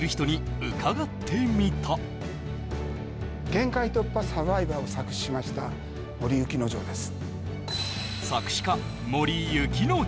「限界突破×サバイバー」を作詞しました森雪之丞です。